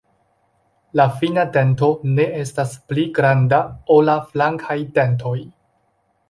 La fina dento ne estas pli granda ol la flankaj dentoj.